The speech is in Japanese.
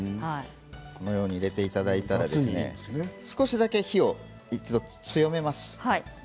このように入れていただいたら少しだけ火を一度強めます。